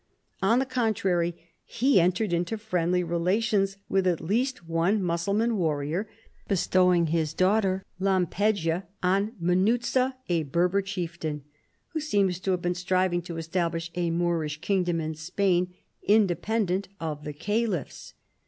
On the contrary he entered into friendly relations with at least one Mussulman warrior, bestowing his daughter Lanipegia on Munuza, a Berber chieftain, who seems to have been striving to establish a Moorish kingdom in Spain independent of the Ca liphs.